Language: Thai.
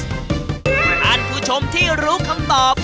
ท่านผู้ชมที่รู้คำตอบ